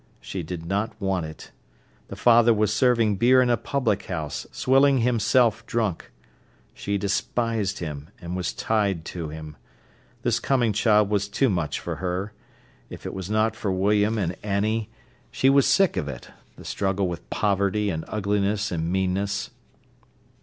She did not want it. The father was serving beer in a public house, swilling himself drunk. She despised him, and was tied to him. This coming child was too much for her. If it were not for William and Annie, she was sick of it, the struggle with poverty and ugliness and meanness.